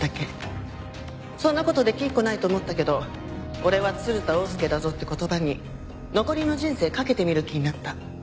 そんな事できっこないと思ったけど「俺は鶴田翁助だぞ」って言葉に残りの人生賭けてみる気になった。